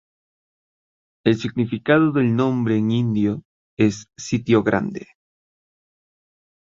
El significado del nombre en indio es Sitio Grande.